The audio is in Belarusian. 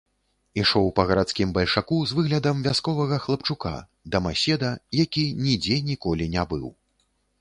Ішоў па гарадскім бальшаку з выглядам вясковага хлапчука, дамаседа, які нідзе ніколі не быў.